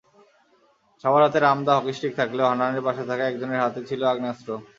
সবার হাতে রামদা, হকিস্টিক থাকলেও হান্নানের পাশে থাকা একজনের হাতে ছিল আগ্নেয়াস্ত্র।